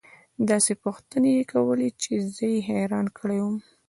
داسې پوښتنې يې كولې چې زه يې حيران كړى وم.